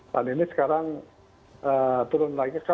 pada ini sekarang turun lagi